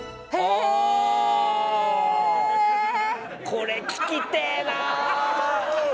これ、聞きてえな。